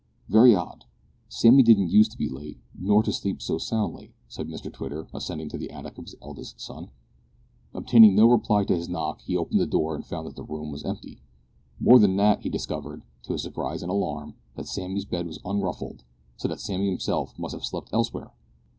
"Very odd; Sammy didn't use to be late, nor to sleep so soundly," said Mr Twitter, ascending to the attic of his eldest son. Obtaining no reply to his knock, he opened the door and found that the room was empty. More than that, he discovered, to his surprise and alarm, that Sammy's bed was unruffled, so that Sammy himself must have slept elsewhere!